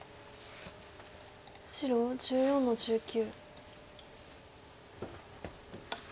白１４の十九。